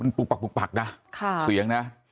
มันปลุกปักปุกปักนะเสียงนะ